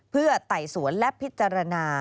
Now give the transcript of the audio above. เพื่อไต่สวนและพิจารณา